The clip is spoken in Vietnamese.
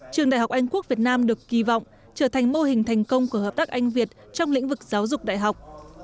trường đại học anh quốc việt nam được kỳ vọng trở thành mô hình thành công của hợp tác anh việt trong lĩnh vực giáo dục đại học